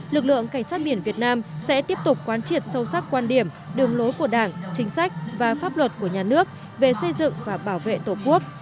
lực lượng cảnh sát biển việt nam sẽ tiếp tục quan triệt sâu sắc quan điểm đường lối của đảng chính sách và pháp luật của nhà nước về xây dựng và bảo vệ tổ quốc